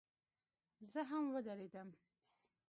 زه هم ودرېدم.